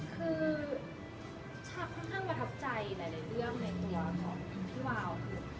คือชาค่อนข้างประทับใจหลายเรื่องในตัวของพี่วาว